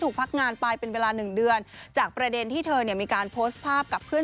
ก็ดีใจค่ะนี่ได้มาร่วมงานกับเพื่อน